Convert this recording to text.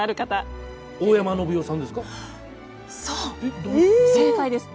大山のぶ代さんですか？